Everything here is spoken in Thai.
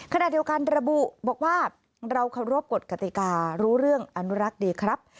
ขณะเดียวกันระบุบอกว่าเราเคารพกฎกติการู้เรื่องอนุรักษ์ดีครับ